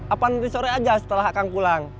apan di sore aja setelah akan pulang